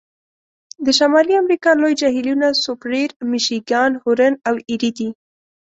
د شمالي امریکا لوی جهیلونه سوپریر، میشیګان، هورن او ایري دي.